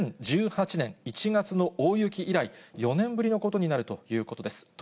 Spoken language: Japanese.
２０１８年１月の大雪以来、４年ぶりのことになるということです。